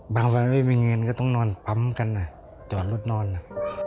บางครั้งไม่มีเงินก็ต้องนอนพร้อมกันนะ